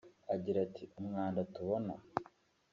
Agira ati “Umwanda tubona